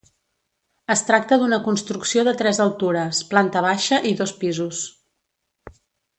Es tracta d'una construcció de tres altures, planta baixa i dos pisos.